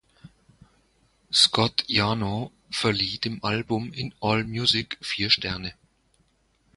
Scott Yanow verlieh dem Album in Allmusic vier Sterne.